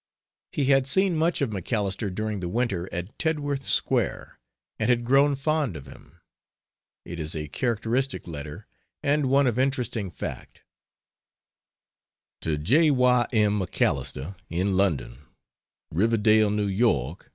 He had seen much of MacAlister during the winter at Tedworth Square, and had grown fond of him. It is a characteristic letter, and one of interesting fact. To J. Y. M. MacAlister, in London: RIVERDALE, NEW YORK.